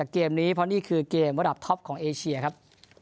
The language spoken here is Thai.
เกมวดับท็อมของเอเชียครับ